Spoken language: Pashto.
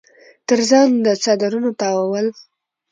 تر ځان د څادرنو تاوول